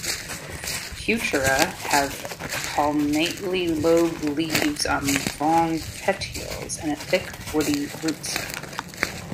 Heuchera have palmately lobed leaves on long petioles, and a thick, woody rootstock.